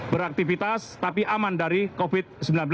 beraktivitas tapi aman dari covid sembilan belas